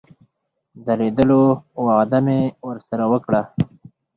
د لیدلو وعده مې ورسره وکړه.